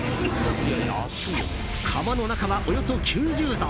釜の中はおよそ９０度！